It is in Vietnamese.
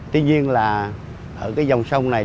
tuy nhiên là ở dòng sông này